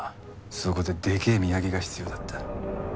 そこででけえ土産が必要だった。